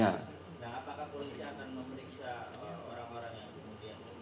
nah apakah polisi akan memeriksa orang orang yang kemudian